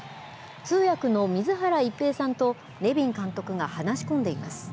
通訳の水原一平さんとネビン監督が話し込んでいます。